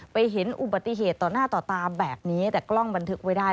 เห็นอุบัติเหตุต่อหน้าต่อตาแบบนี้แต่กล้องบันทึกไว้ได้